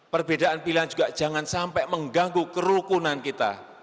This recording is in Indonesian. perbedaan pilihan juga jangan sampai mengganggu kerukunan kita